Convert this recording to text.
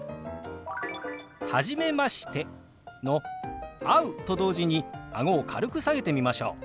「初めまして」の「会う」と同時にあごを軽く下げてみましょう。